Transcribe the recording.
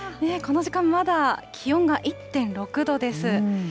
この時間、まだ気温が１．６度です。